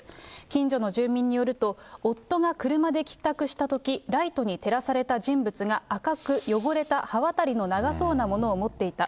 近所の住民によると、夫が車で帰宅したとき、ライトに照らされた人物が赤く汚れた刃渡りの長そうなものを持っていた。